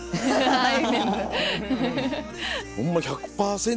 はい。